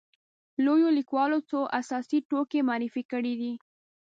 لویو لیکوالو څو اساسي توکي معرفي کړي دي.